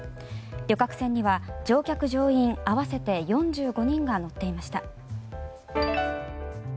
旅客船には乗員・乗客合わせて４５人が乗っていました。